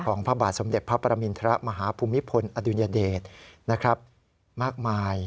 พระบาทสมเด็จพระปรมินทรมาฮภูมิพลอดุญเดชนะครับมากมาย